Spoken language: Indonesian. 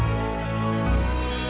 kamu harus ask universalainen